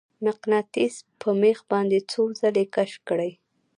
مقناطیس په میخ باندې څو ځلې کش کړئ.